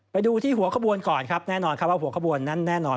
ไปดูที่หัวขบวนก่อนครับแน่นอนครับว่าหัวขบวนนั้นแน่นอน